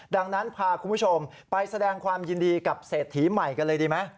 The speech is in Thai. ดังนั้นพาคุณผู้ชมไปแสดงความยินดีกับเศรษฐีใหม่กันเลยดีไหม